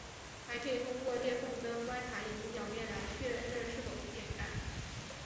还可以通过裂缝灯观察眼睛表面来确认是否眼干。